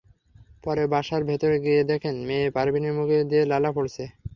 পরে বাসার ভেতর গিয়ে দেখেন, মেয়ে পারভীনের মুখ দিয়ে লালা পড়ছে।